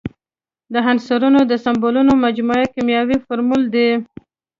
د عنصرونو د سمبولونو مجموعه کیمیاوي فورمول دی.